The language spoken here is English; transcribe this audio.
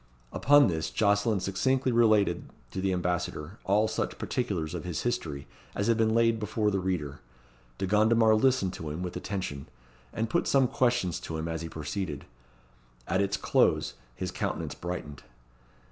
Upon this Jocelyn succinctly related to the Ambassador all such particulars of his history as have been laid before the reader. De Gondomar listened to him with attention, and put some questions to him as he proceeded. At its close his countenance brightened.